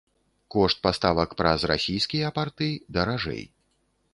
Кошт паставак праз расійскія парты даражэй.